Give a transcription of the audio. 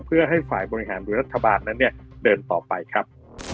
เพื่อให้ฝ่ายบริหารโดยรัฐบาลนั้นเนี่ยเดินต่อไปครับ